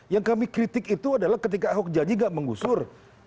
yang kami kritik itu adalah ketika ahok janji nggak mengusur